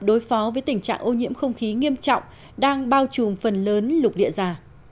đối phó với tình trạng ô nhiễm không khí nghiêm trọng đang bao trùm phần lớn lục địa già